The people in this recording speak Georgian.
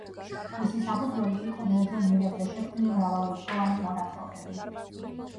მისი საფუძველი იყო ბერძენ გმირებზე შექმნილი მრავალრიცხოვანი მონათხრობები.